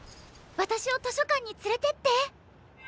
私を図書館に連れてって。